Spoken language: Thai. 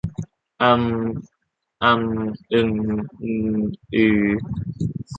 อัม อำ อึม อืม อือ